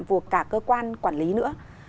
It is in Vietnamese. vùa cả cơ quan quản lý nữa